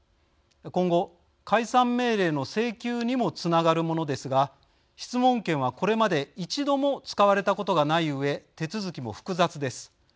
今後、解散命令の請求にもつながるものですが質問権は、これまで一度も使われたことがないうえ手続きも複雑です。